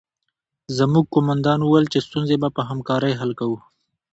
زموږ قومندان وویل چې ستونزې به په همکارۍ حل کوو